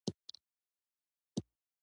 او امپير څه شي دي